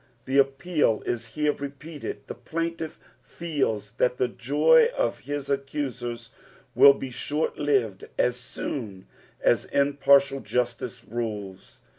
The appeal is here repeated ; the plaintiff feels that the joy of his accuaeia will be shortlived as soon ss impartial justice rules.